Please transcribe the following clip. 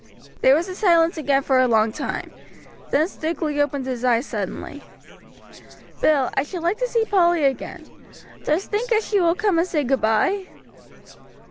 There was a silence again for a long time; then Stukeley opened his eyes suddenly. "Bill, I should like to see Polly again. Dost think as she will come and say goodby?"